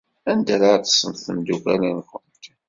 Anda ara ḍḍsent tmeddukal-nwent?